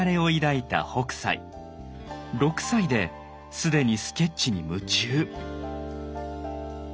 ６歳で既にスケッチに夢中。